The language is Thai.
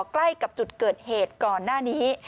ใกล้กับจุดเกิดเหตุก่อนหน้านี้